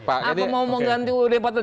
apa mau mengganti ud empat puluh lima